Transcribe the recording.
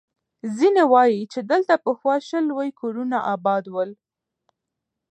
ځيني وایي، چې دلته پخوا شل لوی کورونه اباد ول.